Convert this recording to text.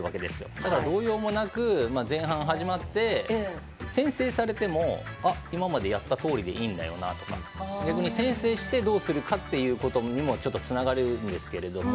だから、動揺もなく前半始まって先制されても今までやったとおりでいいんだよなとか逆に先制して、どうするかということにもつながるんですが。